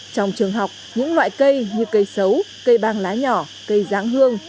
trong trường học những loại cây như cây xấu cây băng lá nhỏ cây ráng hương